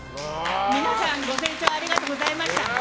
皆さん、ご清聴ありがとうございました。